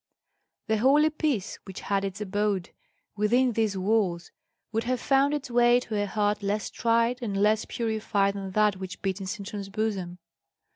The holy peace which had its abode within these walls would have found its way to a heart less tried and less purified than that which beat in Sintram's bosom.